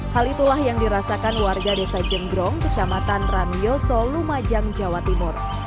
hal itulah yang dirasakan warga desa jenggrong kecamatan ranyo solu majang jawa timur